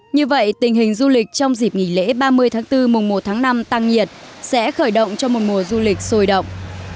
như vậy tình hình du lịch trong dịp nghỉ lễ ba mươi tháng bốn mùa một tháng năm tăng nhiệt sẽ khởi động cho một mùa du lịch sôi động